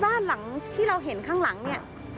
บ้านหลังที่เราเห็นข้างหลังเนี่ย